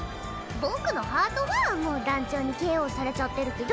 僕のハートはもう団長にＫＯされちゃってるけど。